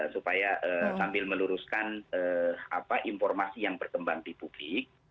supaya sambil meluruskan informasi yang berkembang di publik